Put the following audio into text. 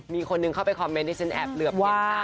มีคนหนึ่งเข้าไปคอมเมนต์ในเช็นแอปเหลือเป็นค่ะ